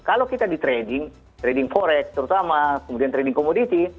kalau kita di trading trading forex terutama kemudian trading komoditi